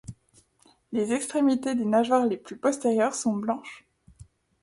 Les extrémités des nageoires les plus postérieures sont blanches.